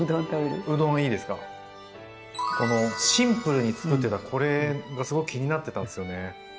シンプルにつくってたこれがすごく気になってたんですよね。